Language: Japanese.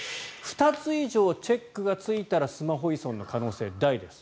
２つ以上チェックがついたらスマホ依存の可能性大です。